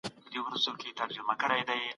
ځمکه د غوايي پر ښکر باندې نه ده ولاړه.